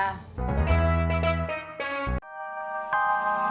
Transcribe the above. sampai jumpa lagi